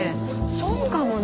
そうかもね。